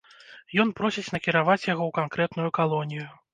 Ён просіць накіраваць яго ў канкрэтную калонію.